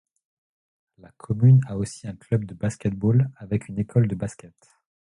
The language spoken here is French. La commune a aussi un club de basket-ball avec une école de basket.